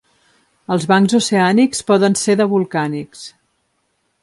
Els bancs oceànics poden ser de volcànics.